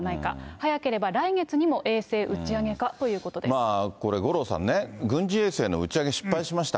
早ければ来月にも衛星打ち上げかこれ、五郎さんね、軍事衛星の打ち上げ失敗しました。